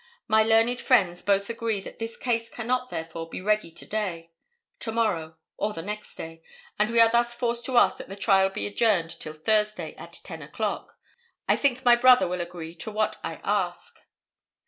My learned friends both agree that this case cannot, therefore, be ready to day, to morrow or the next day, and we are thus forced to ask that the trial be adjourned till Thursday at 10 o'clock. I think my brother will agree to what I ask."